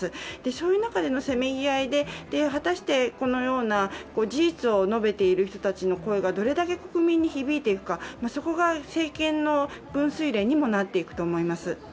そういう中でのせめぎ合いで、果たしてこのような事実を述べている人たちの声がどれだけ国民に響いていくか、そこが政権の分水嶺にもなっていくと思います。